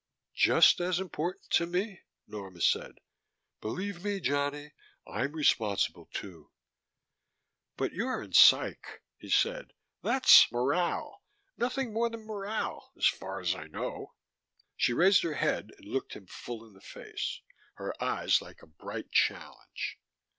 "Just as important to me," Norma said. "Believe me, Johnny. I'm responsible, too." "But you're in Psych," he said. "That's morale. Nothing more than morale, as far as I know " She raised her head and looked him full in the face, her eyes like a bright challenge.